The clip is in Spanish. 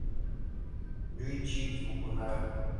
Yuichi Fukunaga